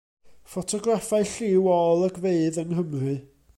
Ffotograffau lliw o olygfeydd yng Nghymru.